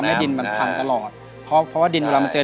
มันไม่สามารถแก้ได้ครับเพราะว่าน้ำนี่